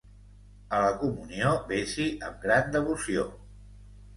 A la comunió vés-hi amb gran devoció.